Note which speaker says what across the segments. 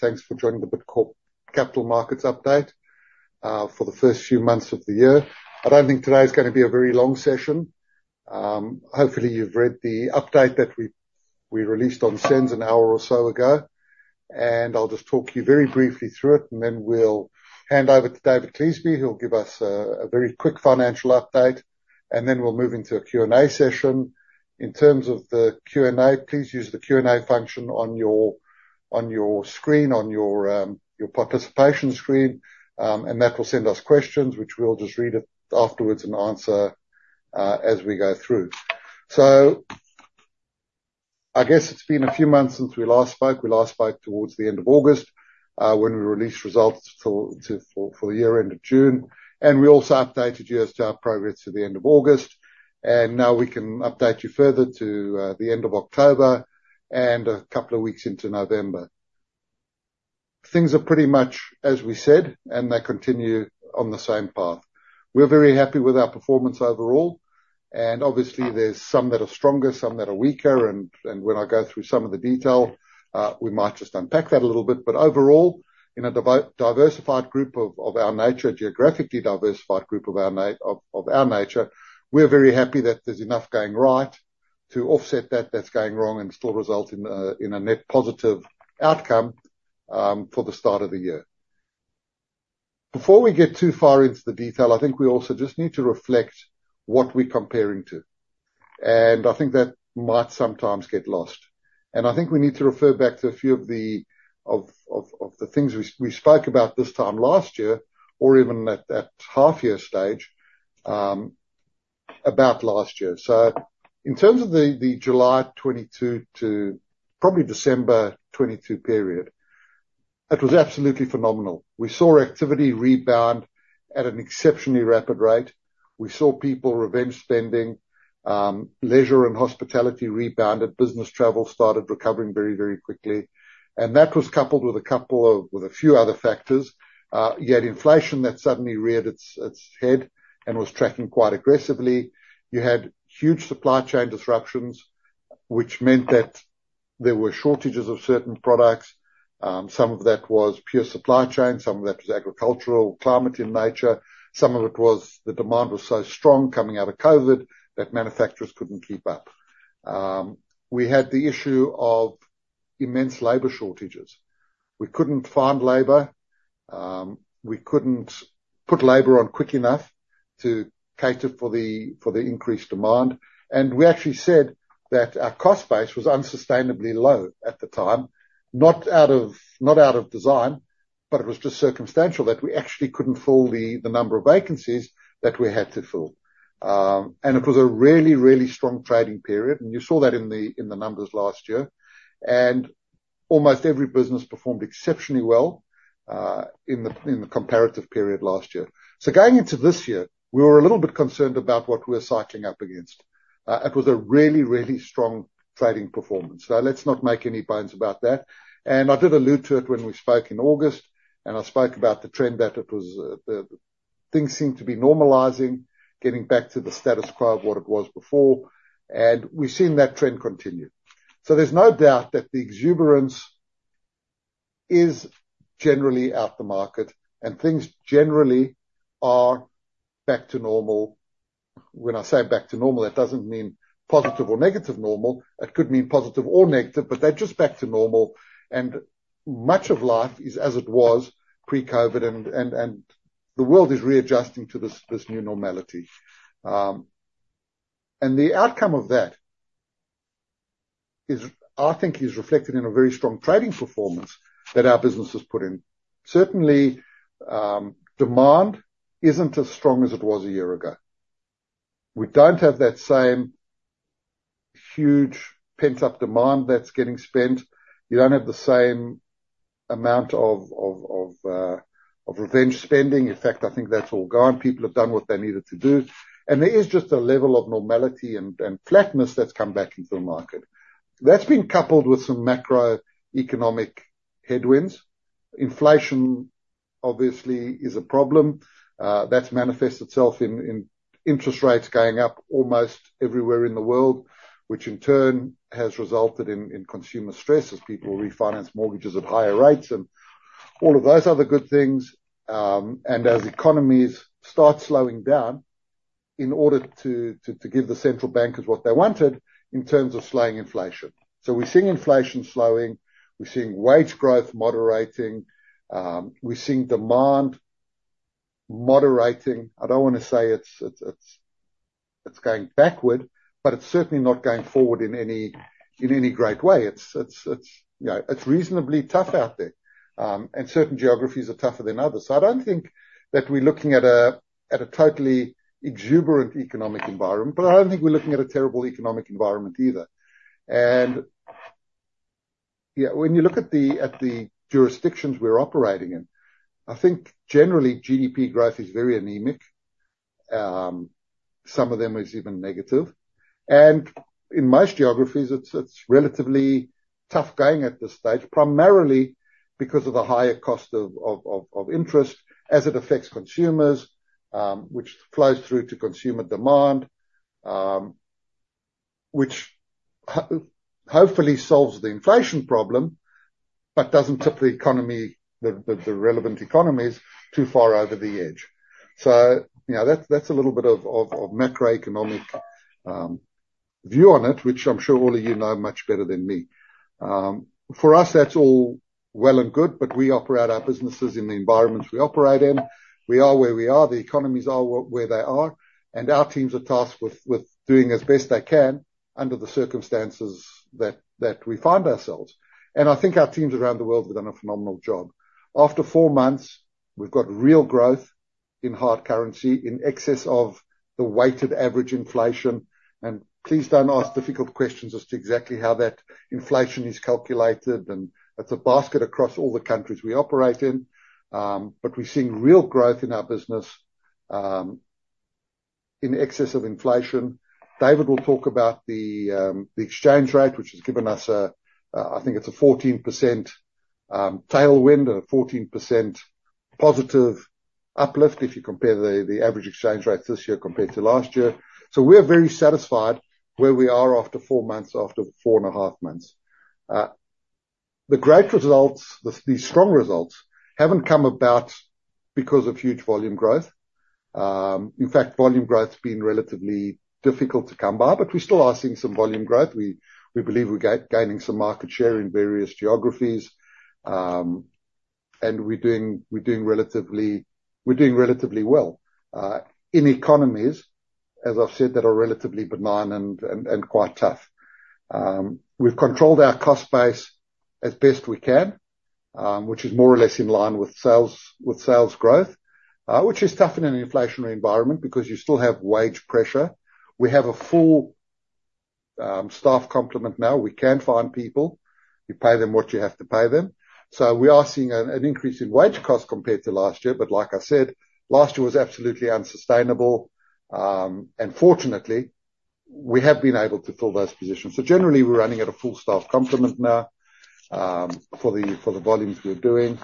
Speaker 1: Thanks for joining the Bidcorp Capital Markets update for the first few months of the year. I don't think today is gonna be a very long session. Hopefully, you've read the update that we released on SENS an hour or so ago, and I'll just talk you very briefly through it, and then we'll hand over to David Cleasby, who'll give us a very quick financial update. Then we'll move into a Q&A session. In terms of the Q&A, please use the Q&A function on your screen, on your participation screen, and that will send us questions, which we'll just read it afterwards and answer as we go through. So I guess it's been a few months since we last spoke. We last spoke towards the end of August, when we released results for the year end of June, and we also updated you as to our progress to the end of August. Now we can update you further to the end of October and a couple of weeks into November. Things are pretty much as we said, and they continue on the same path. We're very happy with our performance overall, and obviously, there's some that are stronger, some that are weaker, and when I go through some of the detail, we might just unpack that a little bit. But overall, in a diversified group of our nature, geographically diversified group of our nature, we're very happy that there's enough going right to offset that that's going wrong and still result in a net positive outcome for the start of the year. Before we get too far into the detail, I think we also just need to reflect what we're comparing to, and I think that might sometimes get lost. And I think we need to refer back to a few of the things we spoke about this time last year, or even at that half year stage, about last year. So in terms of the July 2022 to probably December 2022 period, it was absolutely phenomenal. We saw activity rebound at an exceptionally rapid rate. We saw people revenge spending, leisure and hospitality rebounded. Business travel started recovering very, very quickly, and that was coupled with a few other factors. You had inflation that suddenly reared its head and was tracking quite aggressively. You had huge supply chain disruptions, which meant that there were shortages of certain products. Some of that was pure supply chain, some of that was agricultural, climate in nature. Some of it was the demand was so strong coming out of COVID that manufacturers couldn't keep up. We had the issue of immense labor shortages. We couldn't find labor, we couldn't put labor on quick enough to cater for the increased demand. We actually said that our cost base was unsustainably low at the time, not out of, not out of design, but it was just circumstantial that we actually couldn't fill the number of vacancies that we had to fill. And it was a really, really strong trading period, and you saw that in the numbers last year. And almost every business performed exceptionally well, in the comparative period last year. So going into this year, we were a little bit concerned about what we're cycling up against. It was a really, really strong trading performance. Now, let's not make any bones about that, and I did allude to it when we spoke in August, and I spoke about the trend, that it was, things seemed to be normalizing, getting back to the status quo of what it was before, and we've seen that trend continue. So there's no doubt that the exuberance is generally out the market, and things generally are back to normal. When I say back to normal, that doesn't mean positive or negative normal. It could mean positive or negative, but they're just back to normal, and much of life is as it was pre-COVID and the world is readjusting to this, this new normality. And the outcome of that is, I think, reflected in a very strong trading performance that our business has put in. Certainly, demand isn't as strong as it was a year ago. We don't have that same huge pent-up demand that's getting spent. You don't have the same amount of revenge spending. In fact, I think that's all gone. People have done what they needed to do, and there is just a level of normality and flatness that's come back into the market. That's been coupled with some macroeconomic headwinds. Inflation, obviously, is a problem that's manifested itself in interest rates going up almost everywhere in the world, which in turn has resulted in consumer stress as people refinance mortgages at higher rates and all of those other good things, and as economies start slowing down in order to give the central bankers what they wanted in terms of slowing inflation. So we're seeing inflation slowing, we're seeing wage growth moderating, we're seeing demand moderating. I don't wanna say it's going backward, but it's certainly not going forward in any great way. It's you know, it's reasonably tough out there, and certain geographies are tougher than others. So I don't think that we're looking at a totally exuberant economic environment, but I don't think we're looking at a terrible economic environment either. And yeah, when you look at the jurisdictions we're operating in, I think generally GDP growth is very anemic. Some of them is even negative, and in most geographies, it's relatively tough going at this stage, primarily because of the higher cost of interest as it affects consumers, which flows through to consumer demand. which hopefully solves the inflation problem, but doesn't tip the economy, the relevant economies, too far over the edge. So, you know, that's a little bit of macroeconomic view on it, which I'm sure all of you know much better than me. For us, that's all well and good, but we operate our businesses in the environments we operate in. We are where we are, the economies are where they are, and our teams are tasked with doing as best they can under the circumstances that we find ourselves. And I think our teams around the world have done a phenomenal job. After four months, we've got real growth in hard currency, in excess of the weighted average inflation. Please don't ask difficult questions as to exactly how that inflation is calculated, and that's a basket across all the countries we operate in. But we're seeing real growth in our business, in excess of inflation. David will talk about the exchange rate, which has given us a 14% tailwind, or a 14% positive uplift, if you compare the average exchange rates this year compared to last year. So we are very satisfied where we are after four months, after four and a half months. The great results, these strong results, haven't come about because of huge volume growth. In fact, volume growth's been relatively difficult to come by, but we still are seeing some volume growth. We believe we are gaining some market share in various geographies. And we're doing relatively well in economies, as I've said, that are relatively benign and quite tough. We've controlled our cost base as best we can, which is more or less in line with sales growth. Which is tough in an inflationary environment, because you still have wage pressure. We have a full staff complement now. We can find people. You pay them what you have to pay them. So we are seeing an increase in wage costs compared to last year, but like I said, last year was absolutely unsustainable. And fortunately, we have been able to fill those positions. So generally, we're running at a full staff complement now, for the volumes we're doing.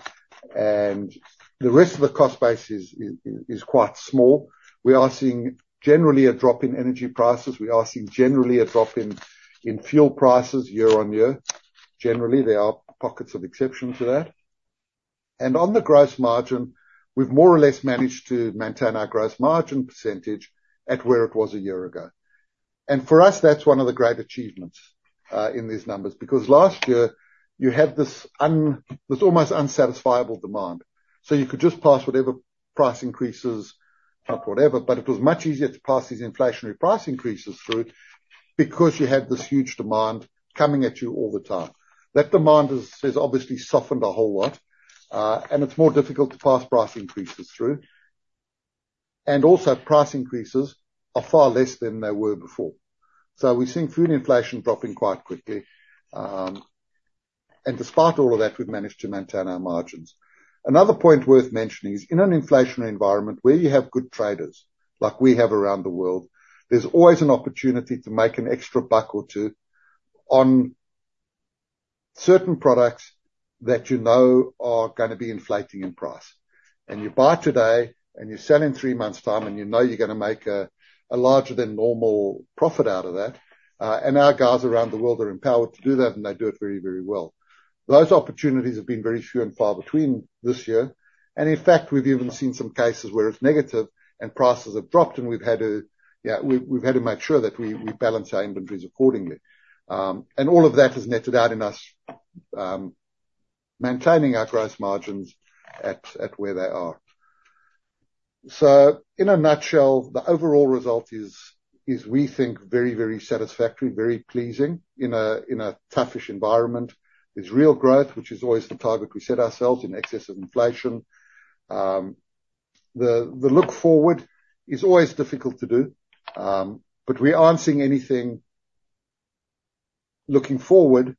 Speaker 1: And the rest of the cost base is quite small. We are seeing generally a drop in energy prices. We are seeing generally a drop in fuel prices year on year. Generally, there are pockets of exception to that. And on the gross margin, we've more or less managed to maintain our gross margin percentage at where it was a year ago. And for us, that's one of the great achievements in these numbers, because last year you had this almost unsatisfiable demand, so you could just pass whatever price increases up whatever, but it was much easier to pass these inflationary price increases through, because you had this huge demand coming at you all the time. That demand has obviously softened a whole lot. And it's more difficult to pass price increases through. And also, price increases are far less than they were before. So we've seen food inflation dropping quite quickly, and despite all of that, we've managed to maintain our margins. Another point worth mentioning is, in an inflationary environment, where you have good traders, like we have around the world, there's always an opportunity to make an extra buck or two on certain products that you know are gonna be inflating in price. And you buy today, and you sell in three months' time, and you know you're gonna make a larger than normal profit out of that. And our guys around the world are empowered to do that, and they do it very, very well. Those opportunities have been very few and far between this year, and in fact, we've even seen some cases where it's negative and prices have dropped, and we've had to. Yeah, we've had to make sure that we balance our inventories accordingly. And all of that has netted out in us maintaining our gross margins at where they are. So in a nutshell, the overall result is, we think, very satisfactory, very pleasing in a toughish environment. There's real growth, which is always the target we set ourselves in excess of inflation. The look forward is always difficult to do, but we aren't seeing anything looking forward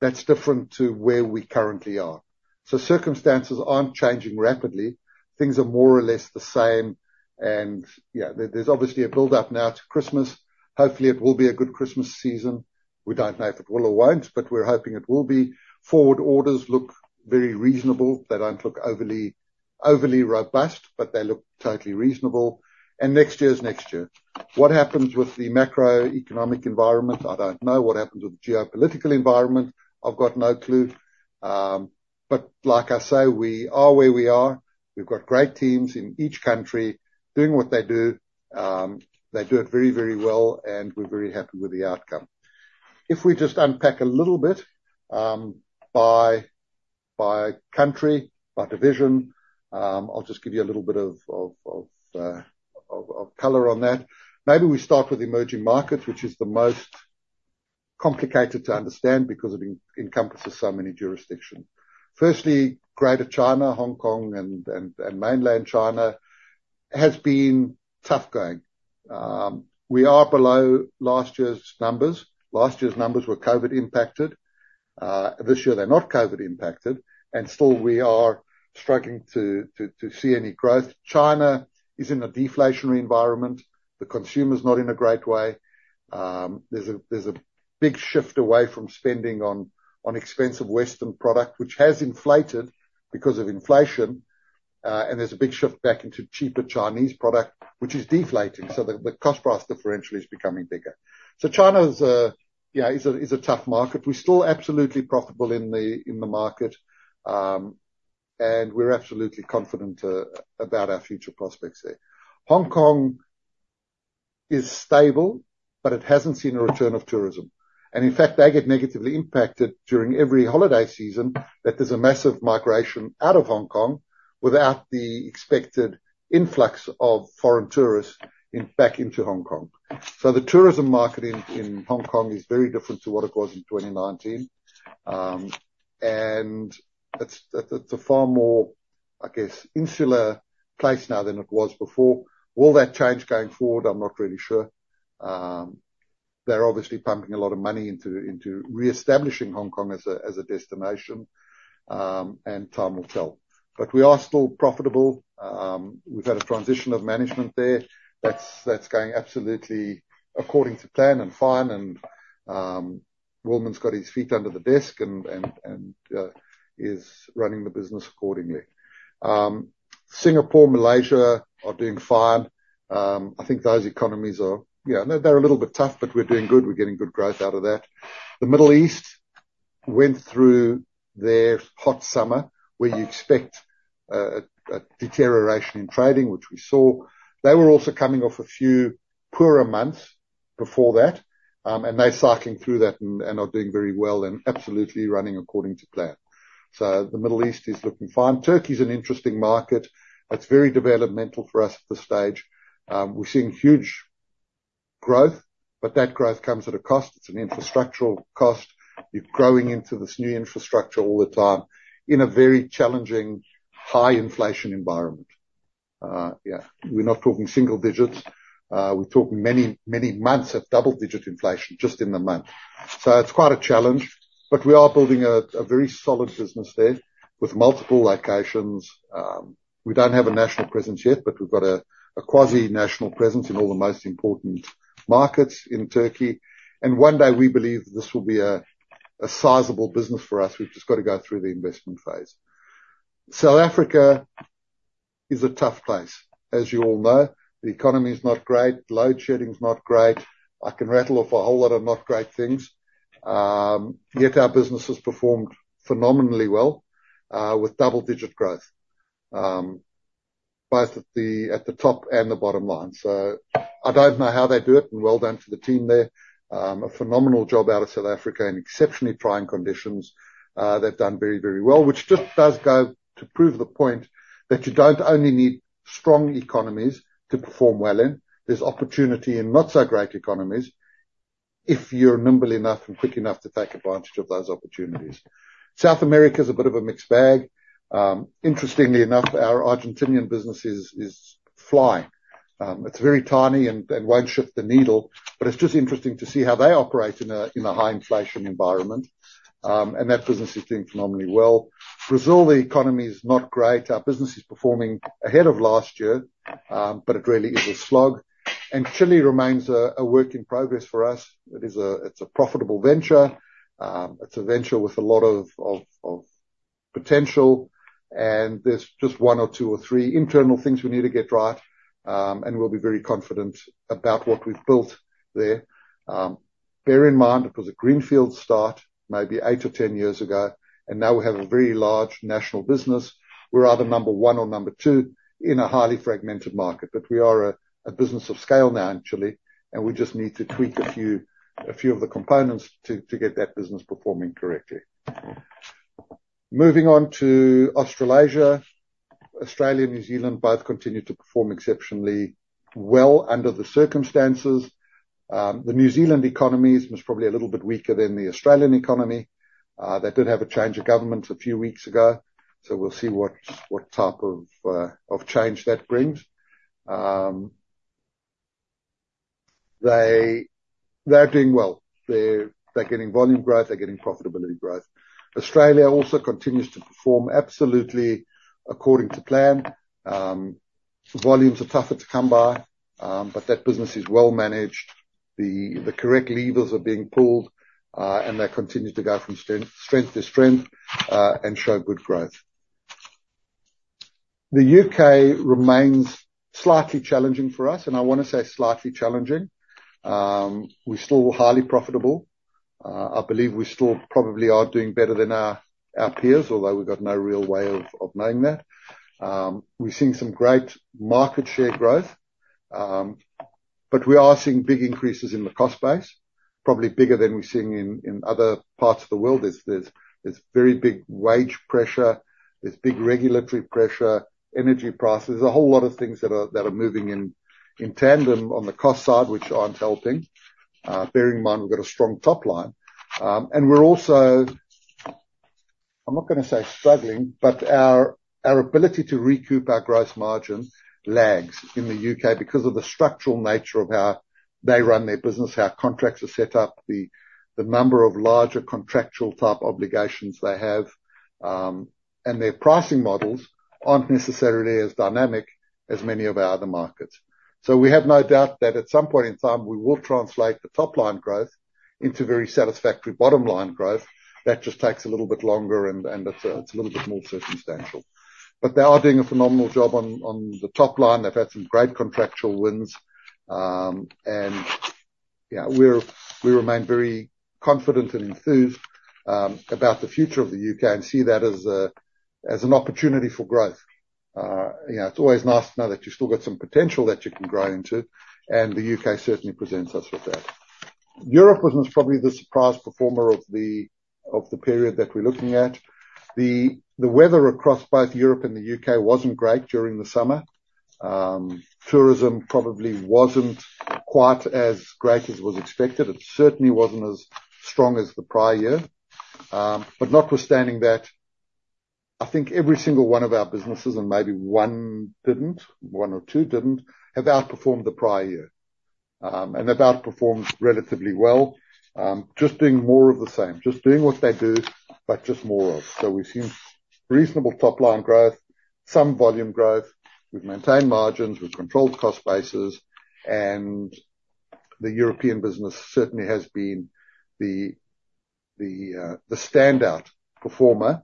Speaker 1: that's different to where we currently are. So circumstances aren't changing rapidly. Things are more or less the same, and yeah, there's obviously a build-up now to Christmas. Hopefully, it will be a good Christmas season. We don't know if it will or won't, but we're hoping it will be. Forward orders look very reasonable. They don't look overly, overly robust, but they look totally reasonable. Next year is next year. What happens with the macroeconomic environment? I don't know what happens with the geopolitical environment, I've got no clue. But like I say, we are where we are. We've got great teams in each country doing what they do. They do it very, very well, and we're very happy with the outcome. If we just unpack a little bit by country, by division, I'll just give you a little bit of color on that. Maybe we start with emerging markets, which is the most complicated to understand, because it encompasses so many jurisdictions. Firstly, Greater China, Hong Kong, and mainland China, has been tough going. We are below last year's numbers. Last year's numbers were COVID impacted. This year they're not COVID impacted, and still, we are struggling to see any growth. China is in a deflationary environment. The consumer's not in a great way. There's a big shift away from spending on expensive Western product, which has inflated because of inflation, and there's a big shift back into cheaper Chinese product, which is deflating, so the cost price differential is becoming bigger. So China is a, yeah, is a tough market. We're still absolutely profitable in the market, and we're absolutely confident about our future prospects there. Hong Kong is stable, but it hasn't seen a return of tourism. And in fact, they get negatively impacted during every holiday season, that there's a massive migration out of Hong Kong without the expected influx of foreign tourists in, back into Hong Kong. So the tourism market in Hong Kong is very different to what it was in 2019. And it's a far more, I guess, insular place now than it was before. Will that change going forward? I'm not really sure. They're obviously pumping a lot of money into reestablishing Hong Kong as a destination, and time will tell. But we are still profitable. We've had a transition of management there. That's going absolutely according to plan and fine, and Wyman's got his feet under the desk and is running the business accordingly. Singapore, Malaysia are doing fine. I think those economies are. Yeah, they're a little bit tough, but we're doing good. We're getting good growth out of there. The Middle East went through their hot summer, where you expect a deterioration in trading, which we saw. They were also coming off a few poorer months before that, and they're cycling through that and are doing very well and absolutely running according to plan. So the Middle East is looking fine. Turkey's an interesting market. It's very developmental for us at this stage. We're seeing huge growth, but that growth comes at a cost. It's an infrastructural cost. You're growing into this new infrastructure all the time in a very challenging, high inflation environment. Yeah, we're not talking single digits. We're talking many, many months of double-digit inflation just in the month. So it's quite a challenge, but we are building a very solid business there with multiple locations. We don't have a national presence yet, but we've got a quasi-national presence in all the most important markets in Turkey, and one day, we believe this will be a sizable business for us. We've just got to go through the investment phase. South Africa is a tough place. As you all know, the economy is not great, load shedding is not great. I can rattle off a whole lot of not great things. Yet our business has performed phenomenally well, with double-digit growth, both at the top and the bottom line. So I don't know how they do it, and well done to the team there. A phenomenal job out of South Africa in exceptionally trying conditions. They've done very, very well, which just does go to prove the point that you don't only need strong economies to perform well in. There's opportunity in not so great economies if you're nimbly enough and quick enough to take advantage of those opportunities. South America is a bit of a mixed bag. Interestingly enough, our Argentinian business is flying. It's very tiny and won't shift the needle, but it's just interesting to see how they operate in a high inflation environment. And that business is doing phenomenally well. Brazil, the economy is not great. Our business is performing ahead of last year, but it really is a slog. And Chile remains a work in progress for us. It is a profitable venture. It's a venture with a lot of potential, and there's just 1 or 2 or 3 internal things we need to get right, and we'll be very confident about what we've built there. Bear in mind, it was a greenfield start, maybe 8 or 10 years ago, and now we have a very large national business. We're either number 1 or number 2 in a highly fragmented market. But we are a business of scale now in Chile, and we just need to tweak a few of the components to get that business performing correctly. Moving on to Australasia. Australia and New Zealand both continue to perform exceptionally well under the circumstances. The New Zealand economy is probably a little bit weaker than the Australian economy. They did have a change of government a few weeks ago, so we'll see what, what type of, of change that brings. They're doing well. They're getting volume growth, they're getting profitability growth. Australia also continues to perform absolutely according to plan. Volumes are tougher to come by, but that business is well managed. The correct levers are being pulled, and they continue to go from strength to strength, and show good growth. The U.K. remains slightly challenging for us, and I wanna say slightly challenging. We're still highly profitable. I believe we still probably are doing better than our peers, although we've got no real way of knowing that. We've seen some great market share growth, but we are seeing big increases in the cost base, probably bigger than we're seeing in other parts of the world. There's very big wage pressure, there's big regulatory pressure, energy prices. There's a whole lot of things that are moving in tandem on the cost side, which aren't helping. Bear in mind, we've got a strong top line. And we're also, I'm not gonna say struggling, but our ability to recoup our gross margin lags in the U.K. because of the structural nature of how they run their business, how our contracts are set up, the number of larger contractual-type obligations they have, and their pricing models aren't necessarily as dynamic as many of our other markets. So we have no doubt that at some point in time, we will translate the top line growth into very satisfactory bottom line growth. That just takes a little bit longer, and it's a little bit more circumstantial. But they are doing a phenomenal job on the top line. They've had some great contractual wins. We remain very confident and enthused about the future of the U.K. and see that as an opportunity for growth. You know, it's always nice to know that you've still got some potential that you can grow into, and the U.K. certainly presents us with that. Europe was probably the surprise performer of the period that we're looking at. The weather across both Europe and the U.K. wasn't great during the summer. Tourism probably wasn't quite as great as was expected. It certainly wasn't as strong as the prior year. But notwithstanding that, I think every single one of our businesses, and maybe one didn't, one or two didn't, have outperformed the prior year. And they've outperformed relatively well. Just doing more of the same, just doing what they do, but just more of. So we've seen reasonable top line growth, some volume growth. We've maintained margins, we've controlled cost bases, and the European business certainly has been the standout performer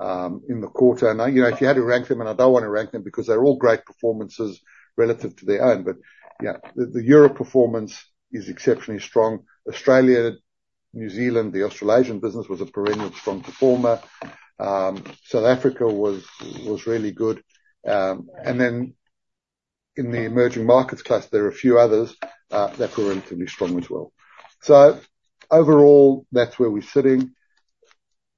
Speaker 1: in the quarter. And, you know, if you had to rank them, and I don't want to rank them because they're all great performances relative to their own. But yeah, the Europe performance is exceptionally strong. Australia, New Zealand, the Australasian business, was a perennial strong performer. South Africa was really good. And then in the emerging markets class, there are a few others that were relatively strong as well. So overall, that's where we're sitting.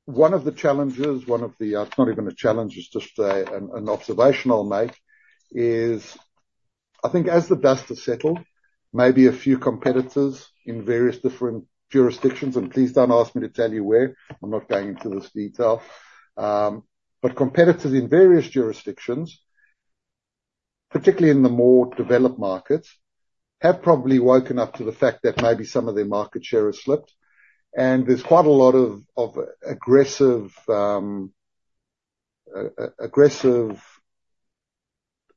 Speaker 1: One of the challenges it's not even a challenge, it's just an observation I'll make, is I think as the dust has settled, maybe a few competitors in various different jurisdictions, and please don't ask me to tell you where, I'm not going into this detail. But competitors in various jurisdictions, particularly in the more developed markets, have probably woken up to the fact that maybe some of their market share has slipped, and there's quite a lot of aggressive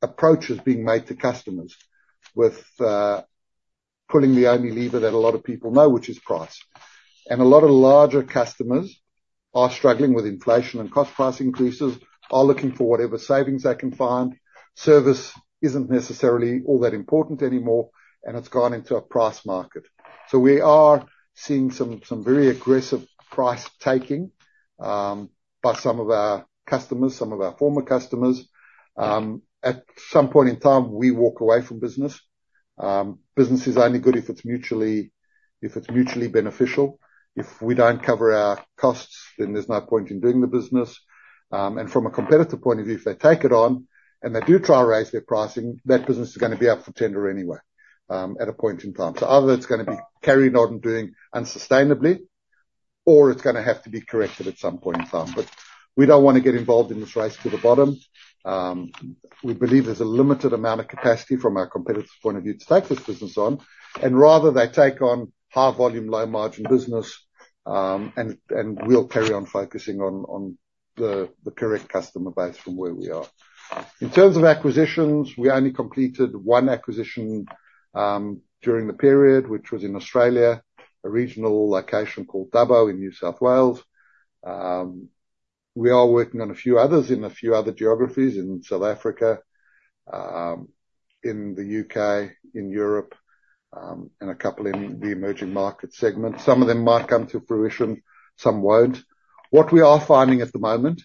Speaker 1: approaches being made to customers with pulling the only lever that a lot of people know, which is price. A lot of larger customers are struggling with inflation, and cost price increases, are looking for whatever savings they can find. Service isn't necessarily all that important anymore, and it's gone into a price market. So we are seeing some very aggressive price taking by some of our customers, some of our former customers. At some point in time, we walk away from business. Business is only good if it's mutually beneficial. If we don't cover our costs, then there's no point in doing the business. And from a competitive point of view, if they take it on and they do try to raise their pricing, that business is gonna be up for tender anyway, at a point in time. So either it's gonna be carried on and doing unsustainably, or it's gonna have to be corrected at some point in time. But we don't want to get involved in this race to the bottom. We believe there's a limited amount of capacity from our competitor's point of view to take this business on, and rather they take on high volume, low margin business, and we'll carry on focusing on the correct customer base from where we are. In terms of acquisitions, we only completed one acquisition during the period, which was in Australia, a regional location called Dubbo, in New South Wales. We are working on a few others in a few other geographies in South Africa, in the U.K., in Europe, and a couple in the emerging market segment. Some of them might come to fruition, some won't. What we are finding at the moment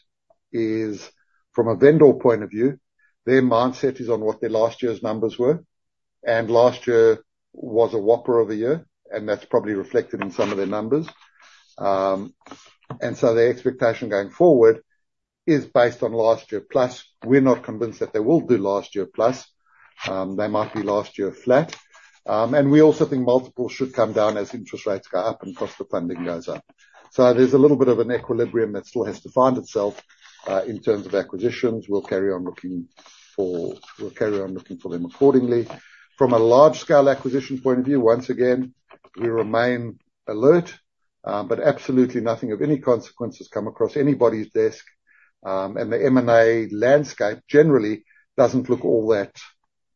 Speaker 1: is, from a vendor point of view, their mindset is on what their last year's numbers were, and last year was a whopper of a year, and that's probably reflected in some of their numbers. And so their expectation going forward is based on last year plus. We're not convinced that they will do last year plus. They might be last year flat. And we also think multiples should come down as interest rates go up and cost of funding goes up. So there's a little bit of an equilibrium that still has to find itself in terms of acquisitions. We'll carry on looking for, we'll carry on looking for them accordingly. From a large-scale acquisition point of view, once again, we remain alert, but absolutely nothing of any consequence has come across anybody's desk. And the M&A landscape generally doesn't look all that,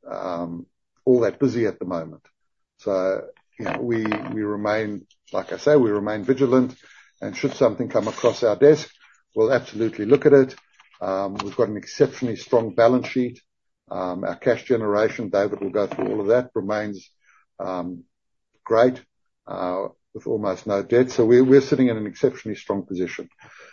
Speaker 1: all that busy at the moment. So, you know, we remain, like I say, we remain vigilant, and should something come across our desk, we'll absolutely look at it. We've got an exceptionally strong balance sheet. Our cash generation, David will go through all of that, remains great, with almost no debt. So we're sitting in an exceptionally strong position.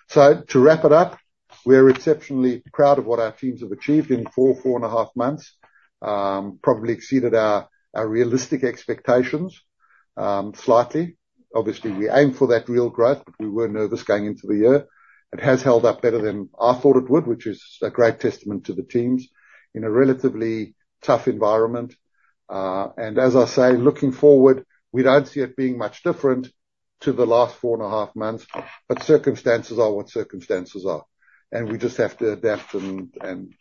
Speaker 1: So to wrap it up, we're exceptionally proud of what our teams have achieved in four, four and a half months. Probably exceeded our realistic expectations, slightly. Obviously, we aim for that real growth, but we were nervous going into the year. It has held up better than I thought it would, which is a great testament to the teams in a relatively tough environment. And as I say, looking forward, we don't see it being much different to the last 4.5 months, but circumstances are what circumstances are, and we just have to adapt and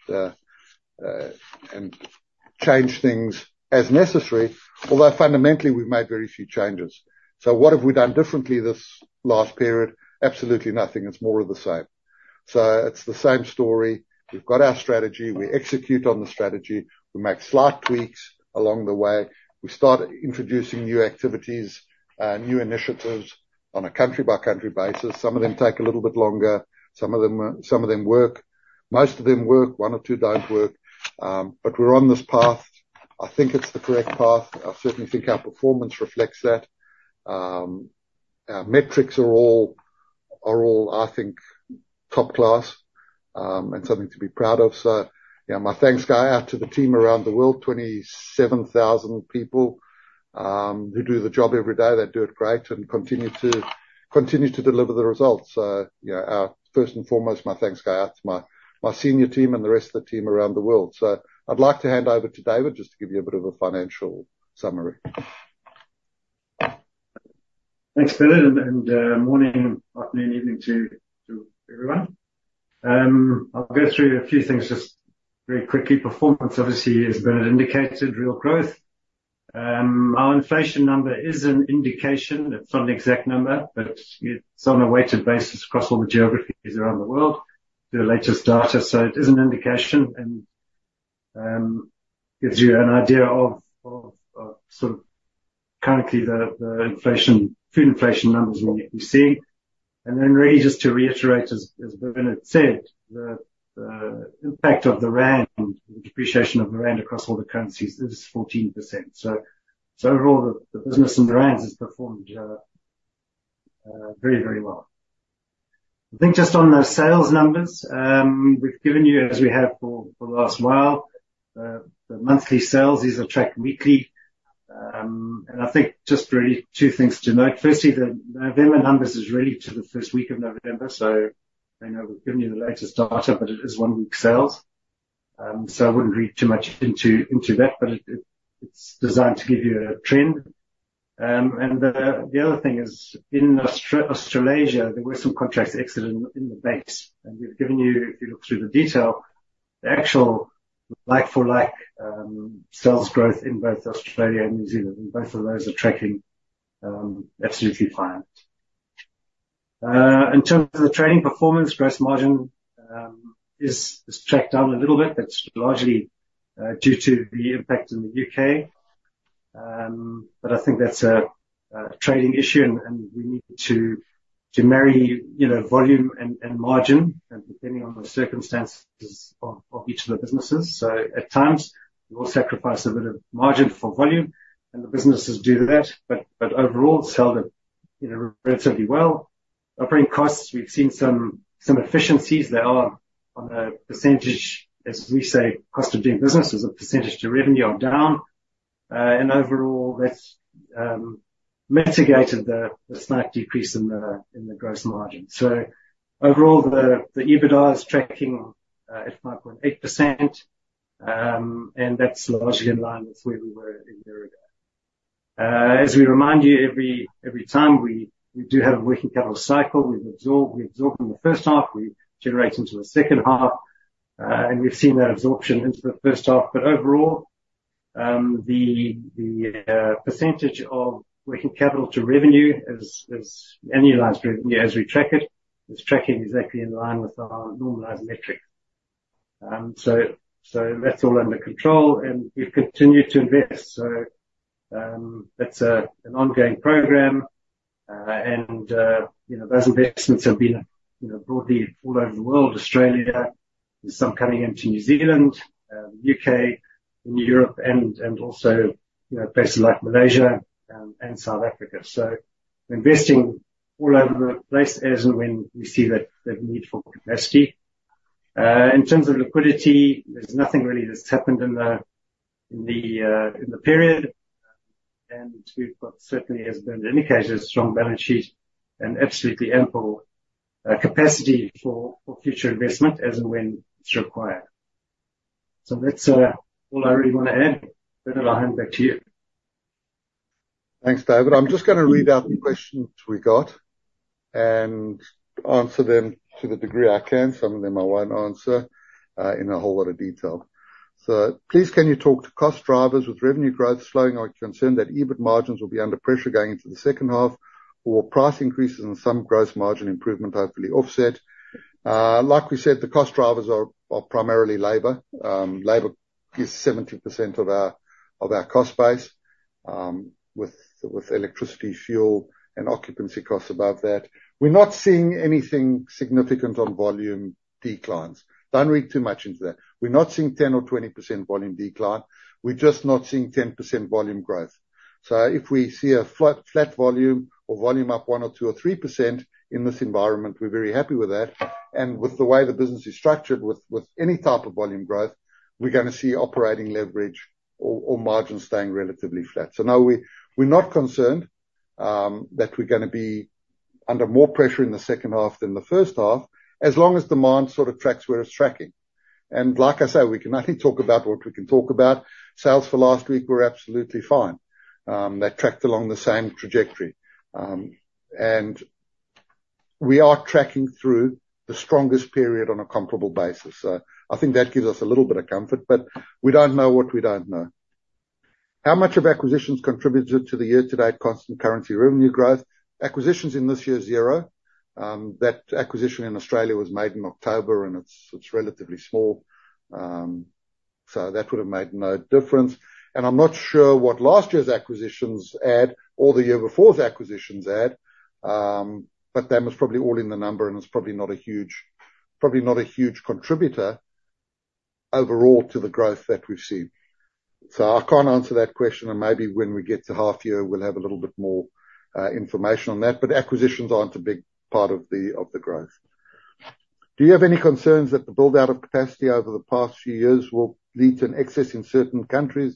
Speaker 1: change things as necessary, although fundamentally, we've made very few changes. So what have we done differently this last period? Absolutely nothing. It's more of the same. So it's the same story. We've got our strategy, we execute on the strategy, we make slight tweaks along the way. We start introducing new activities and new initiatives on a country-by-country basis. Some of them take a little bit longer, some of them work. Most of them work, one or two don't work. But we're on this path. I think it's the correct path. I certainly think our performance reflects that. Our metrics are all, I think, top class, and something to be proud of. You know, my thanks go out to the team around the world, 27,000 people, who do the job every day. They do it great and continue to deliver the results. You know, first and foremost, my thanks go out to my senior team and the rest of the team around the world. I'd like to hand over to David just to give you a bit of a financial summary.
Speaker 2: Thanks, Bernard, and morning, afternoon, evening to everyone. I'll go through a few things just very quickly. Performance, obviously, as Bernard indicated, real growth. Our inflation number is an indication. It's not an exact number, but it's on a weighted basis across all the geographies around the world, the latest data. So it is an indication and gives you an idea of sort of currently the inflation - food inflation numbers that you see. And then really, just to reiterate, as Bernard said, the impact of the rand, the depreciation of the rand across all the currencies is 14%. So overall, the business in rand has performed very, very well. I think just on those sales numbers, we've given you, as we have for the last while, the monthly sales. These are tracked weekly. I think just really two things to note. Firstly, the November numbers is really to the first week of November, so I know we've given you the latest data, but it, it's designed to give you a trend. The other thing is in Australasia, there were some contracts exited in the base, and we've given you, if you look through the detail, the actual like for like sales growth in both Australia and New Zealand, and both of those are tracking absolutely fine. In terms of the trading performance, gross margin is tracked down a little bit, but it's largely due to the impact in the U.K. But I think that's a trading issue, and we need to marry, you know, volume and margin, and depending on the circumstances of each of the businesses. So at times, we will sacrifice a bit of margin for volume, and the businesses do that, but overall, sold it, you know, relatively well. Operating costs, we've seen some efficiencies. They are on a percentage, as we say, cost of doing business, as a percentage to revenue are down. And overall, that's mitigated the slight decrease in the gross margin. So overall, the EBITDA is tracking at 9.8%, and that's largely in line with where we were a year ago. As we remind you, every time we do have a working capital cycle, we absorb in the first half, we generate into the second half, and we've seen that absorption into the first half. But overall, the percentage of working capital to revenue is annualized. As we track it, it's tracking exactly in line with our normalized metric. So that's all under control, and we've continued to invest. So that's an ongoing program. And, you know, those investments have been, you know, broadly all over the world, Australia, there's some coming into New Zealand, U.K., in Europe, and, and also, you know, places like Malaysia, and South Africa. So investing all over the place as and when we see the need for capacity. In terms of liquidity, there's nothing really that's happened in the period, and we've got certainly, as Bernard indicated, a strong balance sheet and absolutely ample capacity for future investment as and when it's required. So that's all I really want to add. Bernard, I'll hand back to you.
Speaker 1: Thanks, David. I'm just going to read out the questions we got and answer them to the degree I can. Some of them I won't answer in a whole lot of detail. So please, can you talk to cost drivers with revenue growth slowing? Are you concerned that EBIT margins will be under pressure going into the second half, or price increases and some gross margin improvement hopefully offset? Like we said, the cost drivers are primarily labor. Labor is 70% of our cost base, with electricity, fuel, and occupancy costs above that. We're not seeing anything significant on volume declines. Don't read too much into that. We're not seeing 10% or 20% volume decline. We're just not seeing 10% volume growth. So if we see a flat, flat volume or volume up 1 or 2 or 3% in this environment, we're very happy with that. And with the way the business is structured, with, with any type of volume growth, we're going to see operating leverage or, or margins staying relatively flat. So no, we, we're not concerned that we're gonna be under more pressure in the second half than the first half, as long as demand sort of tracks where it's tracking. And like I say, we can only talk about what we can talk about. Sales for last week were absolutely fine. They tracked along the same trajectory. And we are tracking through the strongest period on a comparable basis. So I think that gives us a little bit of comfort, but we don't know what we don't know. How much of acquisitions contributed to the year-to-date constant currency revenue growth? Acquisitions in this year, zero. That acquisition in Australia was made in October, and it's, it's relatively small. So that would have made no difference. And I'm not sure what last year's acquisitions add, or the year before's acquisitions add, but that was probably all in the number, and it's probably not a huge contributor overall to the growth that we've seen. So I can't answer that question, and maybe when we get to half year, we'll have a little bit more information on that, but acquisitions aren't a big part of the growth. Do you have any concerns that the build-out of capacity over the past few years will lead to an excess in certain countries,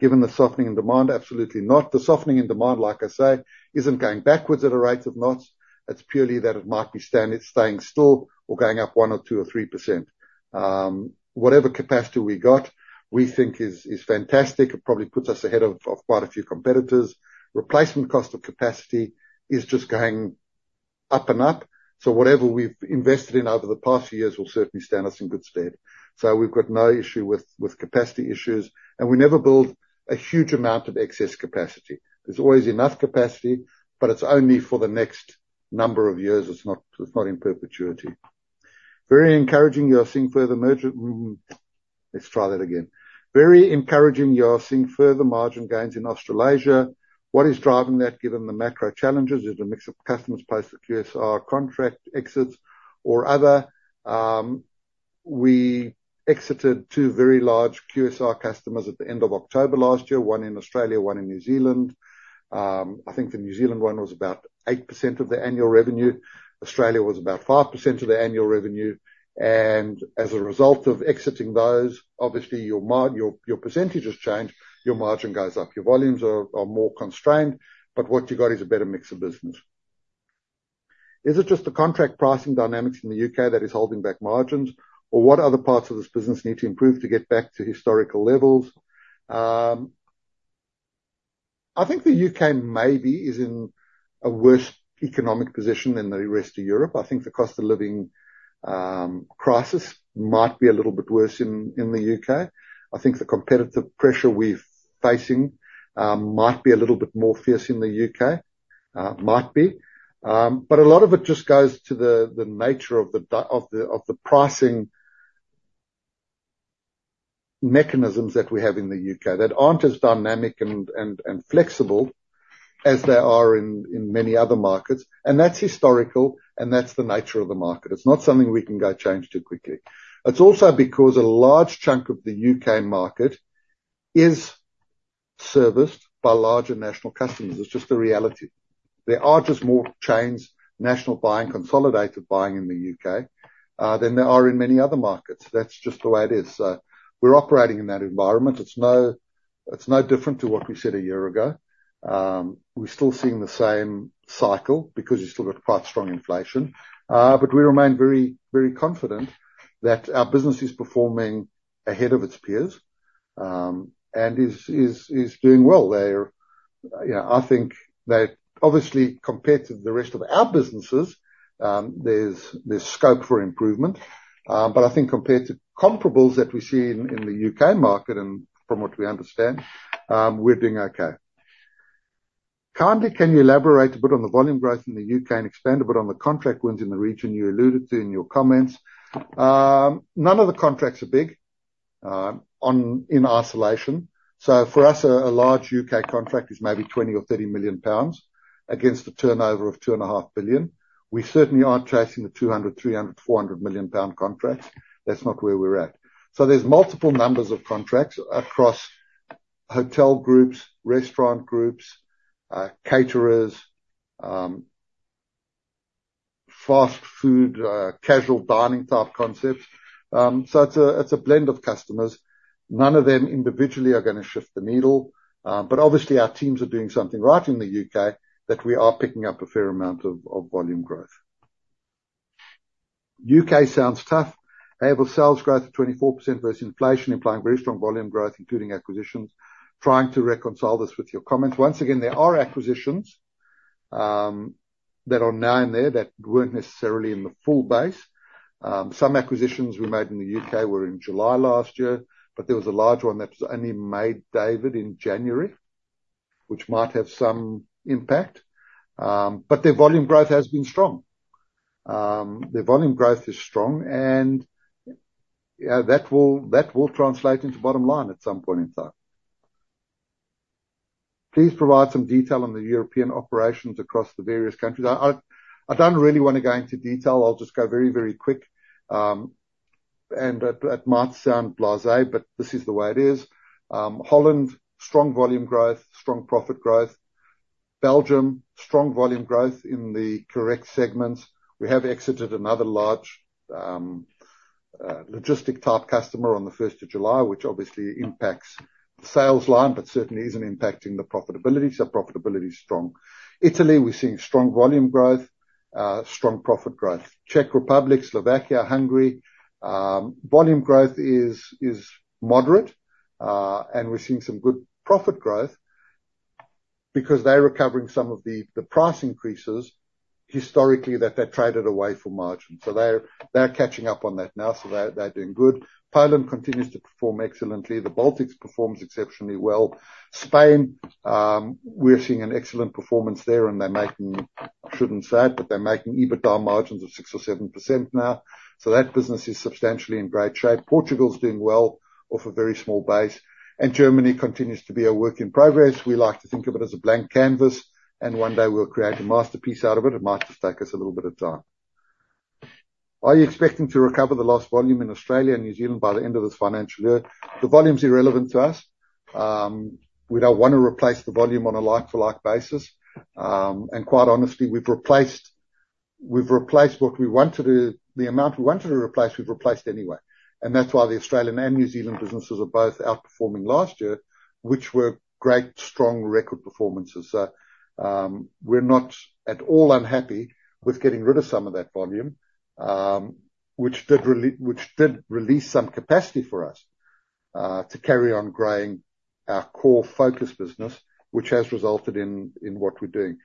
Speaker 1: given the softening in demand? Absolutely not. The softening in demand, like I say, isn't going backwards at a rate of knots. It's purely that it might be standard, staying still or going up 1 or 2 or 3%. Whatever capacity we got, we think is fantastic. It probably puts us ahead of quite a few competitors. Replacement cost of capacity is just going up and up. So whatever we've invested in over the past few years will certainly stand us in good stead. So we've got no issue with capacity issues, and we never build a huge amount of excess capacity. There's always enough capacity, but it's only for the next number of years. It's not in perpetuity. Very encouraging you are seeing further margin gains in Australasia. What is driving that, given the macro challenges, is the mix of customers placed at QSR contract exits or other? We exited two very large QSR customers at the end of October last year, one in Australia, one in New Zealand. I think the New Zealand one was about 8% of their annual revenue. Australia was about 5% of their annual revenue, and as a result of exiting those, obviously, your mar- your, your percentages change, your margin goes up. Your volumes are, are more constrained, but what you got is a better mix of business. Is it just the contract pricing dynamics in the U.K. that is holding back margins? Or what other parts of this business need to improve to get back to historical levels? I think the U.K. maybe is in a worse economic position than the rest of Europe. I think the cost of living crisis might be a little bit worse in the U.K. I think the competitive pressure we're facing might be a little bit more fierce in the U.K. Might be. But a lot of it just goes to the nature of the pricing mechanisms that we have in the U.K., that aren't as dynamic and flexible as they are in many other markets. And that's historical, and that's the nature of the market. It's not something we can go change too quickly. It's also because a large chunk of the U.K. market is serviced by larger national customers. It's just the reality. There are just more chains, national buying, consolidated buying in the U.K. than there are in many other markets. That's just the way it is. So we're operating in that environment. It's no different to what we said a year ago. We're still seeing the same cycle because you still got quite strong inflation. But we remain very, very confident that our business is performing ahead of its peers, and is doing well. They are, you know, I think they obviously compared to the rest of our businesses, there's scope for improvement. But I think compared to comparables that we see in the U.K. market and from what we understand, we're doing okay. Kindly, can you elaborate a bit on the volume growth in the U.K., and expand a bit on the contract wins in the region you alluded to in your comments? None of the contracts are big in isolation. So for us, a large U.K. contract is maybe 20 million or 30 million pounds, against a turnover of 2.5 billion. We certainly aren't chasing the 200 million pound, GBP 300 million, 400 million-pound contracts. That's not where we're at. So there's multiple numbers of contracts across hotel groups, restaurant groups, caterers, fast food, casual dining type concepts. So it's a blend of customers. None of them individually are gonna shift the needle, but obviously our teams are doing something right in the U.K., that we are picking up a fair amount of volume growth. U.K. sounds tough. Able sales growth of 24% versus inflation, implying very strong volume growth, including acquisitions. Trying to reconcile this with your comments. Once again, there are acquisitions that are now in there that weren't necessarily in the full base. Some acquisitions we made in the U.K. were in July last year, but there was a large one that was only made, David, in January, which might have some impact. But their volume growth has been strong. Their volume growth is strong, and, yeah, that will translate into bottom line at some point in time. Please provide some detail on the European operations across the various countries. I don't really wanna go into detail. I'll just go very, very quick. And it might sound blasé, but this is the way it is. Holland, strong volume growth, strong profit growth. Belgium, strong volume growth in the correct segments. We have exited another large, logistic-type customer on the first of July, which obviously impacts the sales line, but certainly isn't impacting the profitability. So profitability is strong. Italy, we're seeing strong volume growth, strong profit growth. Czech Republic, Slovakia, Hungary, volume growth is moderate, and we're seeing some good profit growth. Because they're recovering some of the price increases historically, that they traded away for margin. So they're catching up on that now, so they're doing good. Ireland continues to perform excellently. The Baltics performs exceptionally well. Spain, we're seeing an excellent performance there, and they're making, shouldn't say it, but they're making EBITDA margins of 6% or 7% now. So that business is substantially in great shape. Portugal is doing well off a very small base, and Germany continues to be a work in progress. We like to think of it as a blank canvas, and one day we'll create a masterpiece out of it. It might just take us a little bit of time. Are you expecting to recover the lost volume in Australia and New Zealand by the end of this financial year? The volume is irrelevant to us. We don't want to replace the volume on a like-for-like basis. And quite honestly, we've replaced, we've replaced what we wanted to, the amount we wanted to replace, we've replaced anyway, and that's why the Australian and New Zealand businesses are both outperforming last year, which were great, strong record performances. We're not at all unhappy with getting rid of some of that volume, which did release some capacity for us to carry on growing our core focus business, which has resulted in what we're doing.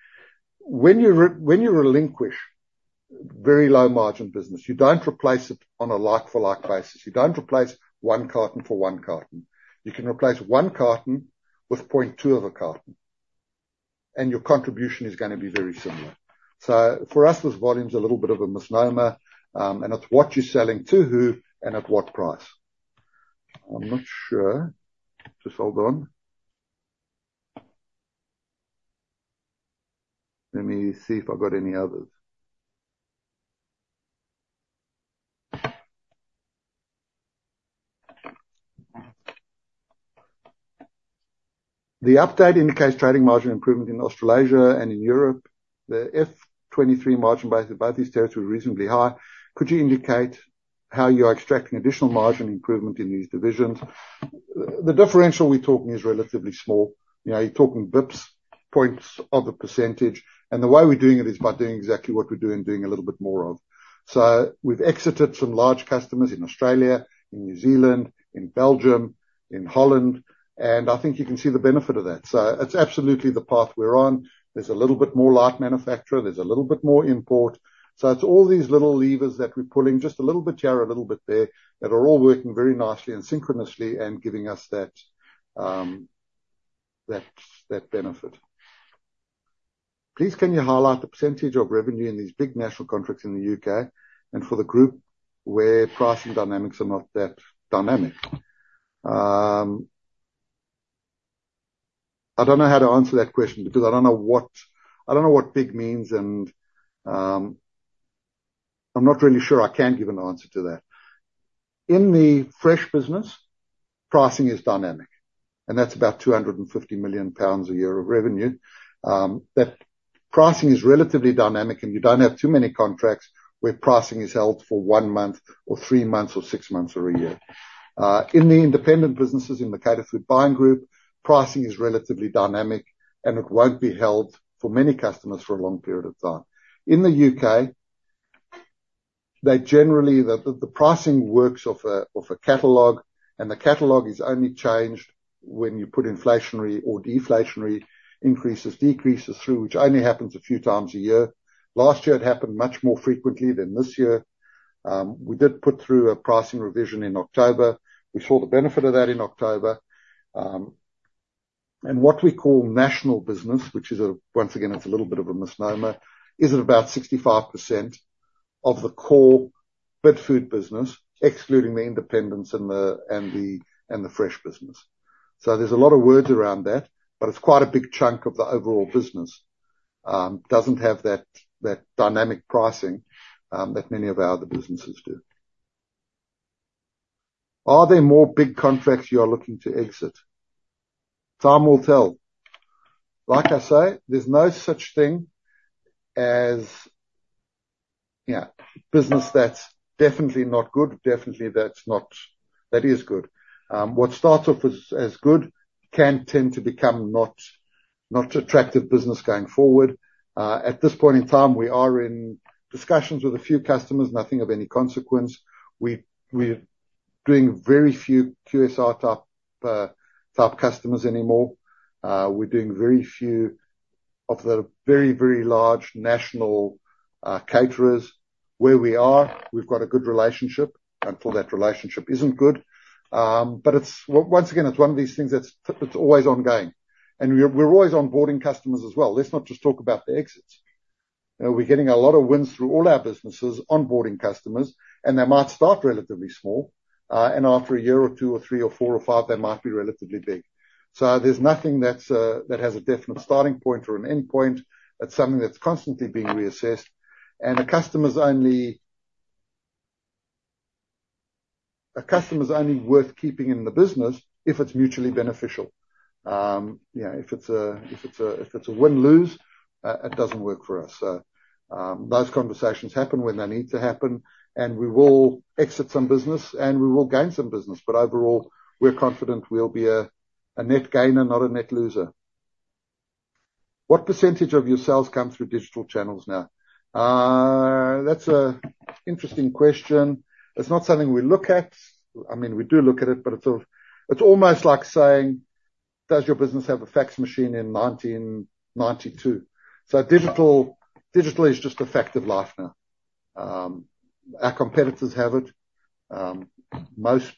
Speaker 1: When you relinquish very low margin business, you don't replace it on a like-for-like basis. You don't replace one carton for one carton. You can replace one carton with 0.2 of a carton, and your contribution is gonna be very similar. So for us, this volume is a little bit of a misnomer, and it's what you're selling to who and at what price. I'm not sure. Just hold on. Let me see if I've got any others. The update indicates trading margin improvement in Australasia and in Europe. The FY23 margin by, by these territories were reasonably high. Could you indicate how you are extracting additional margin improvement in these divisions? The differential we're talking is relatively small. You know, you're talking basis points, percentage points, and the way we're doing it is by doing exactly what we're doing, doing a little bit more of. So we've exited some large customers in Australia, in New Zealand, in Belgium, in Holland, and I think you can see the benefit of that. So it's absolutely the path we're on. There's a little bit more light manufacturer, there's a little bit more import. So it's all these little levers that we're pulling, just a little bit here, a little bit there, that are all working very nicely and synchronously and giving us that benefit. Please, can you highlight the percentage of revenue in these big national contracts in the U.K. and for the group where pricing dynamics are not that dynamic? I don't know how to answer that question because I don't know what big means and, I'm not really sure I can give an answer to that. In the fresh business, pricing is dynamic, and that's about 250 million pounds a year of revenue. That pricing is relatively dynamic, and you don't have too many contracts where pricing is held for one month or three months or six months or a year. In the independent businesses, in the Caterfood Buying Group, pricing is relatively dynamic, and it won't be held for many customers for a long period of time. In the U.K., they generally, The pricing works off a catalog, and the catalog is only changed when you put inflationary or deflationary increases, decreases through, which only happens a few times a year. Last year, it happened much more frequently than this year. We did put through a pricing revision in October. We saw the benefit of that in October. And what we call national business, which is, once again, a little bit of a misnomer, is at about 65% of the core Bidfood business, excluding the independents and the fresh business. So there's a lot of words around that, but it's quite a big chunk of the overall business. Doesn't have that dynamic pricing that many of our other businesses do. Are there more big contracts you are looking to exit? Time will tell. Like I say, there's no such thing as, yeah, business that's definitely not good, definitely that's not, that is good. What starts off as good can tend to become not attractive business going forward. At this point in time, we are in discussions with a few customers, nothing of any consequence. We're doing very few QSR type customers anymore. We're doing very few of the very, very large national caterers. Where we are, we've got a good relationship, until that relationship isn't good. But it's, once again, it's one of these things that's, it's always ongoing, and we're, we're always onboarding customers as well. Let's not just talk about the exits. You know, we're getting a lot of wins through all our businesses, onboarding customers, and they might start relatively small, and after a year or two or three or four or five, they might be relatively big. So there's nothing that's that has a definite starting point or an end point. It's something that's constantly being reassessed, and a customer's only, a customer's only worth keeping in the business if it's mutually beneficial. You know, if it's a win-lose, it doesn't work for us. So, those conversations happen when they need to happen, and we will exit some business, and we will gain some business, but overall, we're confident we'll be a net gainer, not a net loser. What percentage of your sales come through digital channels now? That's an interesting question. It's not something we look at. I mean, we do look at it, but it's almost like saying, does your business have a fax machine in nineteen ninety-two? So digital is just a fact of life now. Our competitors have it. Most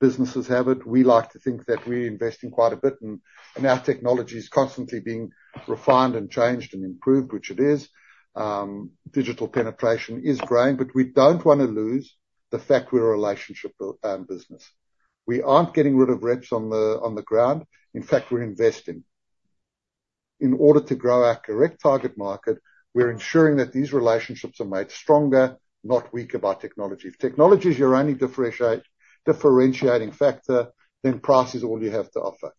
Speaker 1: businesses have it. We like to think that we invest in quite a bit, and our technology is constantly being refined and changed and improved, which it is. Digital penetration is growing, but we don't want to lose the fact we're a relationship business. We aren't getting rid of reps on the ground. In fact, we're investing. In order to grow our correct target market, we're ensuring that these relationships are made stronger, not weaker, by technology. If technology is your only differentiating factor, then price is all you have to offer.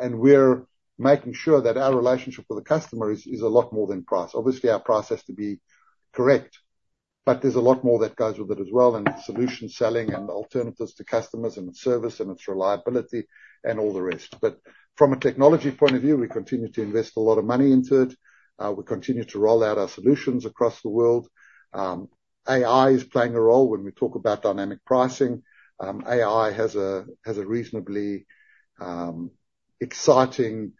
Speaker 1: And we're making sure that our relationship with the customer is a lot more than price. Obviously, our price has to be correct, but there's a lot more that goes with it as well, and solution selling, and alternatives to customers, and its service, and its reliability and all the rest. But from a technology point of view, we continue to invest a lot of money into it. We continue to roll out our solutions across the world. AI is playing a role when we talk about dynamic pricing. AI has a reasonably exciting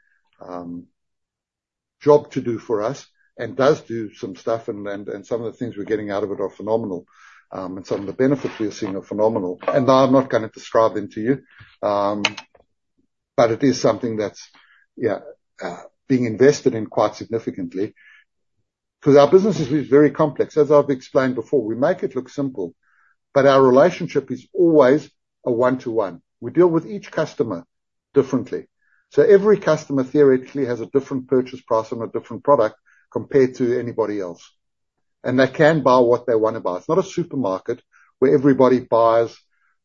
Speaker 1: job to do for us and does do some stuff and some of the things we're getting out of it are phenomenal. Some of the benefits we're seeing are phenomenal. I'm not gonna describe them to you, but it is something that's being invested in quite significantly, because our business is very complex. As I've explained before, we make it look simple, but our relationship is always a one-to-one. We deal with each customer differently. So every customer theoretically has a different purchase price and a different product compared to anybody else, and they can buy what they want to buy. It's not a supermarket where everybody buys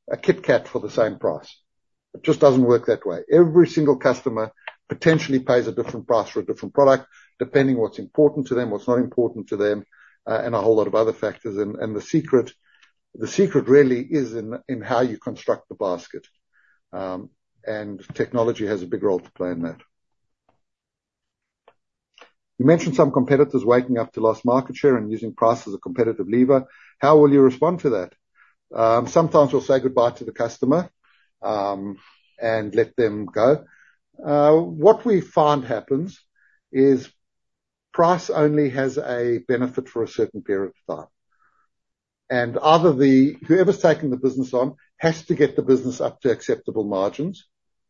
Speaker 1: a Kit Kat for the same price. It just doesn't work that way. Every single customer potentially pays a different price for a different product, depending on what's important to them, what's not important to them, and a whole lot of other factors. The secret really is in how you construct the basket. Technology has a big role to play in that. You mentioned some competitors waking up to lost market share and using price as a competitive lever. How will you respond to that? Sometimes we'll say goodbye to the customer and let them go. What we find happens is price only has a benefit for a certain period of time, and either whoever's taking the business on has to get the business up to acceptable margins,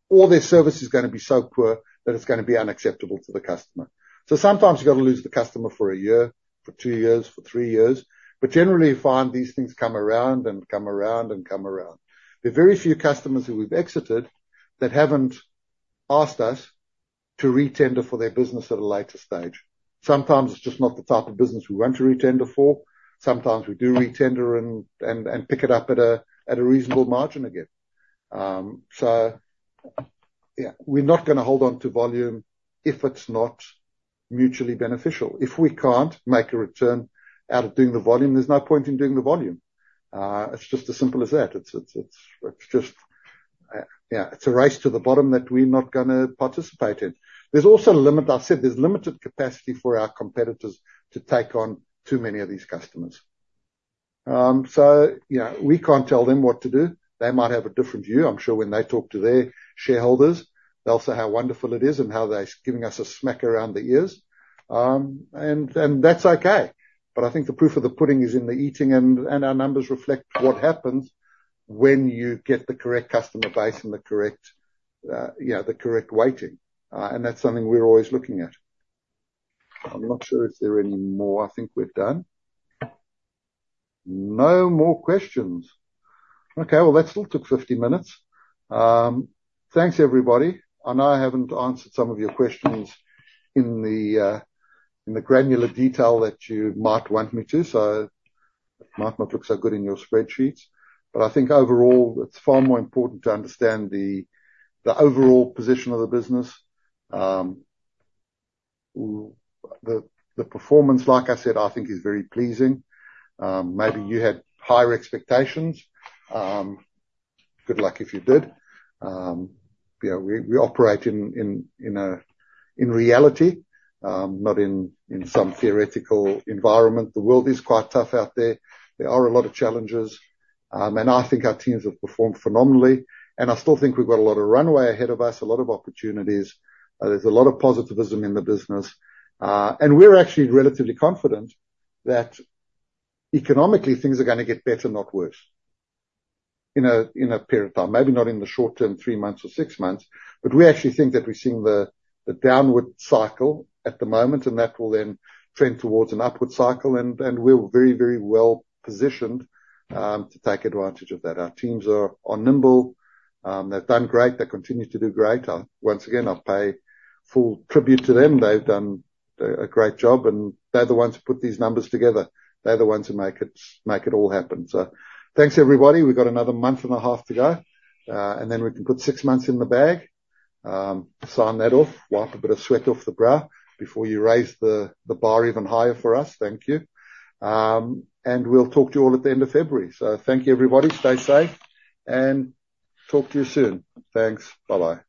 Speaker 1: or their service is gonna be so poor that it's gonna be unacceptable to the customer. So sometimes you've got to lose the customer for a year, for two years, for three years, but generally, you find these things come around and come around and come around. There are very few customers who we've exited that haven't asked us to re-tender for their business at a later stage. Sometimes it's just not the type of business we want to re-tender for. Sometimes we do re-tender and pick it up at a reasonable margin again. So yeah, we're not gonna hold on to volume if it's not mutually beneficial. If we can't make a return out of doing the volume, there's no point in doing the volume. It's just as simple as that. It's just, yeah, it's a race to the bottom that we're not gonna participate in. There's also a limit. I've said there's limited capacity for our competitors to take on too many of these customers. So you know, we can't tell them what to do. They might have a different view. I'm sure when they talk to their shareholders, they'll say how wonderful it is and how they're giving us a smack around the ears. And, and that's okay. But I think the proof of the pudding is in the eating, and, and our numbers reflect what happens when you get the correct customer base and the correct, you know, the correct weighting. And that's something we're always looking at. I'm not sure if there are any more. I think we're done. No more questions. Okay, well, that still took 50 minutes. Thanks, everybody. I know I haven't answered some of your questions in the granular detail that you might want me to, so might not look so good in your spreadsheets, but I think overall it's far more important to understand the overall position of the business. The performance, like I said, I think is very pleasing. Maybe you had higher expectations. Good luck if you did. You know, we operate in a reality, not in some theoretical environment. The world is quite tough out there. There are a lot of challenges, and I think our teams have performed phenomenally, and I still think we've got a lot of runway ahead of us, a lot of opportunities. There's a lot of positivism in the business, and we're actually relatively confident that economically, things are gonna get better, not worse, in a period of time. Maybe not in the short term, 3 months or 6 months, but we actually think that we're seeing the downward cycle at the moment, and that will then trend towards an upward cycle, and we're very, very well positioned to take advantage of that. Our teams are nimble. They've done great. They continue to do great. Once again, I pay full tribute to them. They've done a great job, and they're the ones who put these numbers together. They're the ones who make it, make it all happen. So thanks, everybody. We've got another month and a half to go, and then we can put six months in the bag. Sign that off, wipe a bit of sweat off the brow before you raise the bar even higher for us. Thank you. And we'll talk to you all at the end of February. So thank you, everybody. Stay safe and talk to you soon. Thanks. Bye-bye.